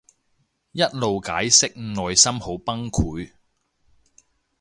一路解釋內心好崩潰